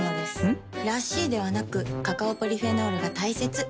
ん？らしいではなくカカオポリフェノールが大切なんです。